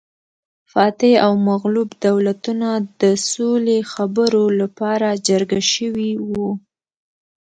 فاتح او مغلوب دولتونه د سولې خبرو لپاره جرګه شوي وو